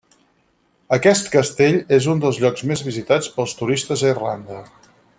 Aquest castell és un dels llocs més visitats pels turistes a Irlanda.